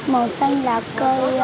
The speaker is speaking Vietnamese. màu xanh là cơ